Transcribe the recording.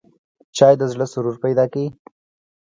چای د زړه سرور پیدا کوي